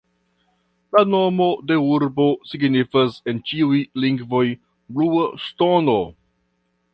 La nomo de urbo signifas en ĉiuj lingvoj Blua Ŝtono.